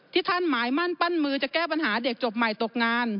ท่านหมายมั่นปั้นมือจะแก้ปัญหาเด็กจบใหม่ตกงาน